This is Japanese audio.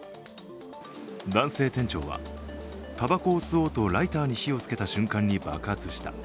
男性店長はたばこを吸おうとライターに火をつけた瞬間に爆発した。